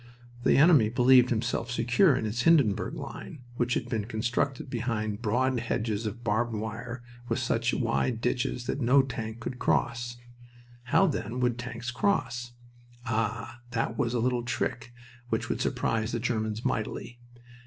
The enemy believed himself secure in his Hindenburg line, which had been constructed behind broad hedges of barbed wire with such wide ditches that no tank could cross. How, then, would tanks cross? Ah, that was a little trick which would surprise the Germans mightily.